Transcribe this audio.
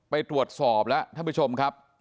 ไปตรวจสอบแล้วท่านผู้ชมครับ